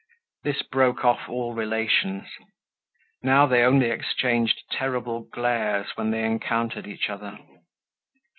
This broke off all relations. Now they only exchanged terrible glares when they encountered each other.